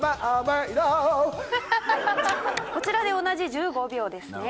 こちらで同じ１５秒ですね。